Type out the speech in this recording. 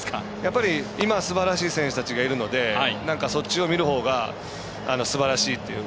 今すばらしい選手たちがいるのでそっちを見るほうがすばらしいっていう。